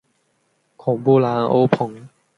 孔布兰欧蓬。